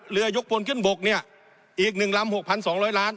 เรือยกพลขึ้นบกเนี่ยอีกหนึ่งลำหกพันสองร้อยล้าน